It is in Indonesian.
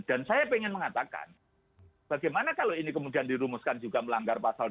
dan saya ingin mengatakan bagaimana kalau ini kemudian dirumuskan juga melanggar pasal dua puluh satu